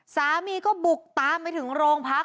สามีก็บุกตามไปถึงโรงพัก